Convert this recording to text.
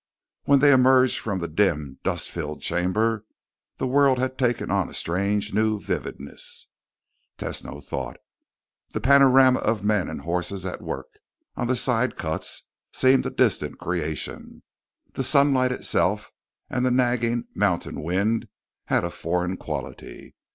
When they emerged from the dim, dust filled chamber, the world had taken on a strange new vividness, Tesno thought. The panorama of men and horses at work on the side cuts seemed a distant creation. The sunlight itself and the nagging mountain wind had a foreign quality.